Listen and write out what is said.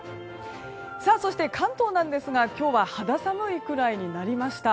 そして、関東ですが今日は肌寒いくらいになりました。